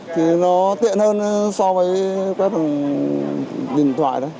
thì nó tiện hơn so với quét bằng điện thoại đấy